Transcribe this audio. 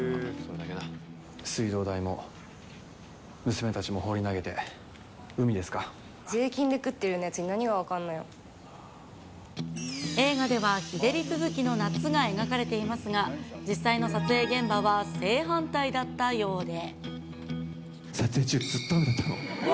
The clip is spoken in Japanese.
水道代も娘たちも放り投げて、税金で食ってるようなやつに映画では、日照り続きの夏が描かれていますが、実際の撮影現場は正反対だっ撮影中、ずっと雨だったの。